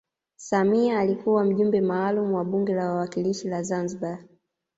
samia alikuwa mjumbe maalum wa bunge la wawakilishi la zanzibar